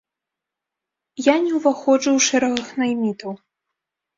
Я не ўваходжу ў шэрагах наймітаў.